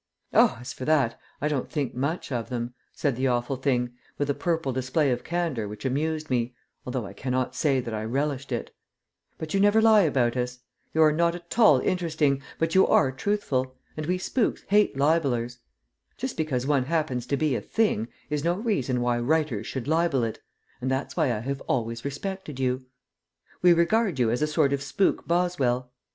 "Oh, as for that, I don't think much of them," said the Awful Thing, with a purple display of candor which amused me, although I cannot say that I relished it; "but you never lie about us. You are not at all interesting, but you are truthful, and we spooks hate libellers. Just because one happens to be a thing is no reason why writers should libel it, and that's why I have always respected you. We regard you as a sort of spook Boswell.